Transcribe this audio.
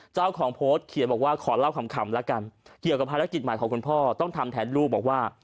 เจ้าของโพสต์เขียนบอกว่าขอเล่าขำแล้วกันเกี่ยวกับภารกิจใหม่ของคุณพ่อต้องทำแทนลูกบอกว่า